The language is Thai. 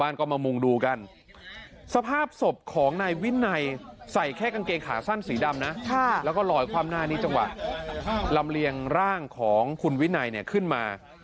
ลำเรียงร่างของคุณวินัยขึ้นมา